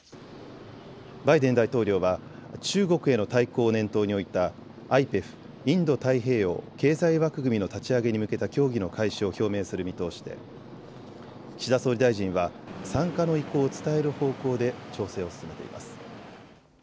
バイデン大統領は中国への対抗を念頭に置いたＩＰＥＦ・インド太平洋経済枠組みの立ち上げに向けた協議の開始を表明する見通しで岸田総理大臣は参加の意向を伝える方向で調整を進めています。